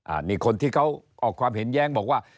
อันนี้คนที่เขาออกความเห็นแย้งบอกว่า